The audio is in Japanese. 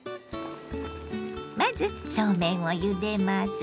まずそうめんをゆでます。